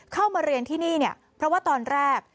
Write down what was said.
เข้ามาเรียนที่นี่เนี่ยเพราะว่าตอนแรก